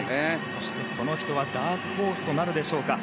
そして、この人はダークホースとなるでしょうか。